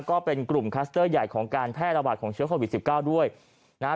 ก็เป็นกลุ่มคลัสเตอร์ใหญ่ของการแพร่ระบาดของเชื้อโควิดสิบเก้าด้วยนะฮะ